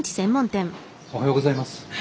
おはようございます。